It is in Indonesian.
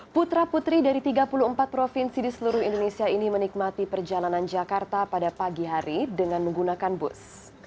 putra putri dari tiga puluh empat provinsi di seluruh indonesia ini menikmati perjalanan jakarta pada pagi hari dengan menggunakan bus